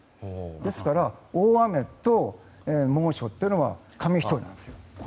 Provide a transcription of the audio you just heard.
ですから大雨と猛暑というのは紙一重なんです。